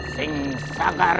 tidak ada juga ukuran